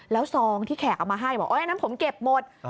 แล้วซองที่แขกเอามาให้บอกอันนั้นผมเก็บหมด